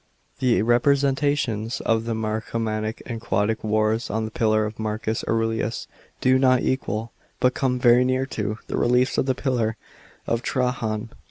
The representations of the Marcomannic and Quadic wars on the pillar of Marcus Aurelius do not equal, but come very near to, the reliefs of the pillar of Trajan.